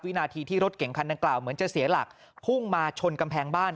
นาทีที่รถเก่งคันดังกล่าวเหมือนจะเสียหลักพุ่งมาชนกำแพงบ้าน